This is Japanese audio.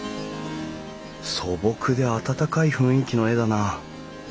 素朴で温かい雰囲気の絵だな。